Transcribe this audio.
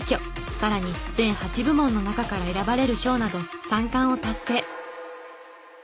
さらに全８部門の中から選ばれる賞など３冠を達成。